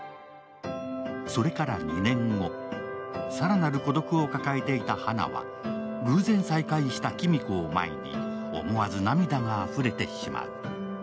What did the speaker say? それから２年後、更なる孤独を抱えていた花は、偶然再会した黄美子を前に、思わず涙があふれてします。